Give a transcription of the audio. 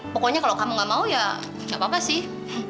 pokoknya kalau kamu gak mau ya nggak apa apa sih